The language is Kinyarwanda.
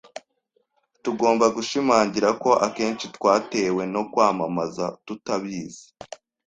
Tugomba gushimangira ko akenshi twatewe no kwamamaza tutabizi